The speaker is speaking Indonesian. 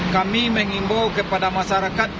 kami mengimbau kepada masyarakat